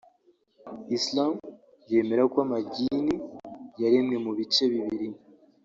Islam yemera ko amagini yaremwe mu bice bibiri